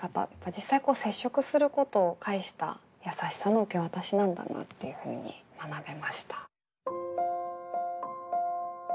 実際接触することを介したやさしさの受け渡しなんだなっていうふうに学べました。